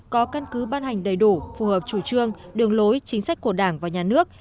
có căn cứ ban hành đầy đủ phù hợp chủ trương đường lối chính sách của đảng và nhà nước